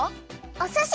おすし！